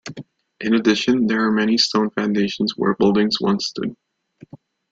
In addition, there are many stone foundations where buildings once stood.